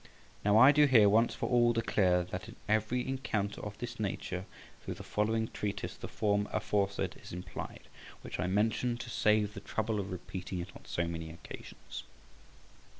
Now, I do here once for all declare, that in every encounter of this nature through the following treatise the form aforesaid is implied, which I mention to save the trouble of repeating it on so many occasions.